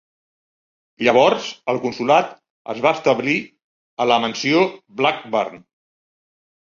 Llavors el consolat es va establir a la mansió Blackburn.